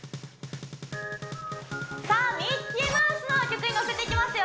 さあミッキーマウスの曲にのせていきますよ